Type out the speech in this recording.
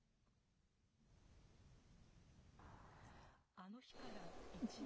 あの日から１年。